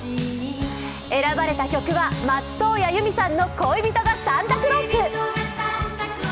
選ばれた曲は松任谷由実さんの「恋人がサンタクロース」。